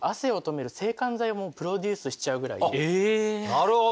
なるほど。